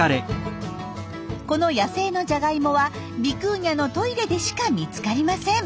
この野生のジャガイモはビクーニャのトイレでしか見つかりません。